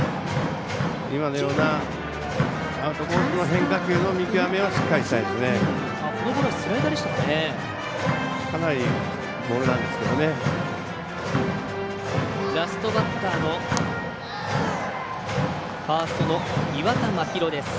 今のようなアウトコースの変化球の見極めをしっかりしたいですね。